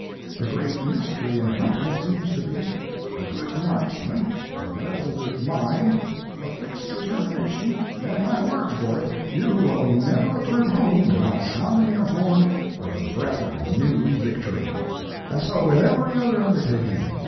The great mystery in hunting seems to be a good marksman, a resolute mind, a fixed determination, and my word for it, you will never return home without sounding your horn with the breath of a new victory. And so with every other undertaking.